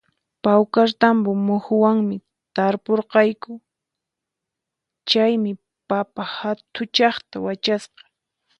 Pawkartambo muhuwanmi tarpurqayku, chaymi papa hatuchaqta wachasqa